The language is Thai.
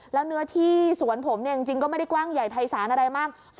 แล้วเนื้อที่สวนผมเนี่ยจริงก็ไม่ได้กว้างใหญ่ภัยศาลอะไรมาก